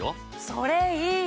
それいい！